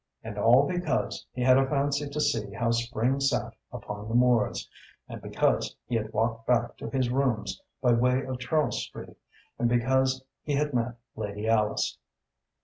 And all because he had a fancy to see how spring sat upon the moors, and because he had walked back to his rooms by way of Charles Street and because he had met Lady Alice.